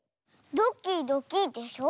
ドキドキでしょ。